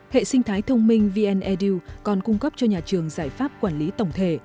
hệ sinh thái thông minh vn edu còn cung cấp cho nhà trường giải pháp quản lý tổng thể